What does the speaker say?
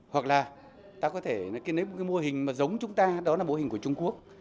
hoặc là ta có thể nói cái mô hình giống chúng ta đó là mô hình của trung quốc